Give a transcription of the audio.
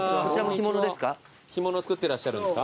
干物作ってらっしゃるんですか？